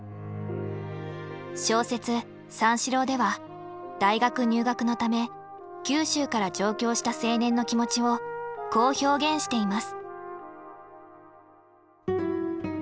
小説「三四郎」では大学入学のため九州から上京した青年の気持ちをこう表現しています。